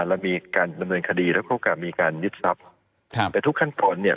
เรามีการดำเนินคดีแล้วก็กลับมีการยึดทรัพย์ครับแต่ทุกขั้นตอนเนี่ย